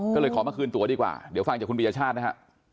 ก็เลยขอมาคืนตัวดีกว่าเดี๋ยวฟังจากคุณปียชาตินะฮะ